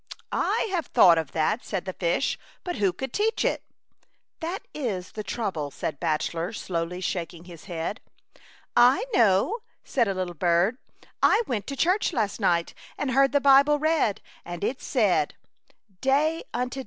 "" I have thought of that,*' said the fish, " but who could teach it ?'' "That is the trouble," said Bach elor, slowly shaking his head. •" I know," said a little bird. " I went to church last night and heard the Bible read, and it said, ' Day unto 74 ^ Chautauqua Idyl.